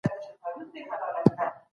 مغول د منځني ختیځ له کلتور سره اشنا سول.